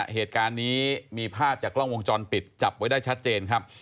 เหตุการณ์นี้มีภาพจากกล้องวงจรปิดจับไว้ได้ชัดเจนครับ